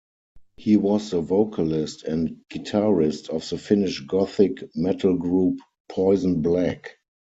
He was the vocalist and guitarist of the Finnish Gothic metal group, Poisonblack.